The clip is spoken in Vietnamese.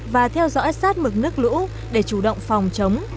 và theo dõi sát mực nước lũ để chủ động phòng chống